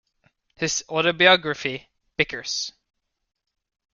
His autobiography, "Bickers".